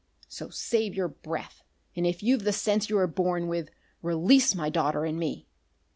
So save your breath, and, if you've the sense you were born with, release my daughter and me.